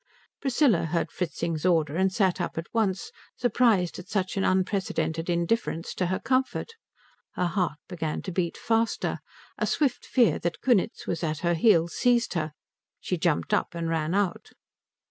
Priscilla heard Fritzing's order and sat up at once, surprised at such an unprecedented indifference to her comfort. Her heart began to beat faster; a swift fear that Kunitz was at her heels seized her; she jumped up and ran out.